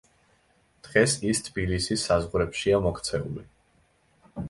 დღეს ის თბილისის საზღვრებშია მოქცეული.